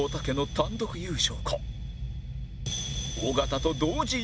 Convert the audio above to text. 単独優勝。